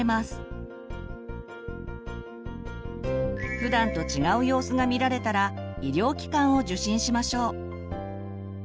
普段と違う様子が見られたら医療機関を受診しましょう。